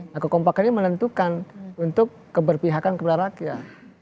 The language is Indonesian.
nah kekompakannya menentukan untuk keberpihakan kebenar rakyat